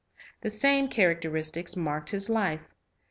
The The same characteristics marked his life.